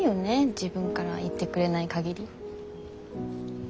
自分から言ってくれない限り。